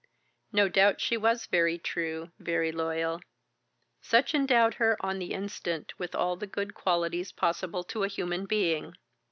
No doubt she was very true, very loyal. Sutch endowed her on the instant with all the good qualities possible to a human being.